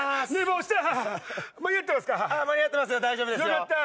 よかった。